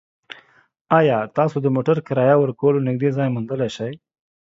ایا تاسو د موټر کرایه کولو نږدې ځای موندلی شئ؟